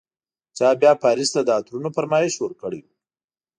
چا بیا پاریس ته د عطرونو فرمایش ورکړی و.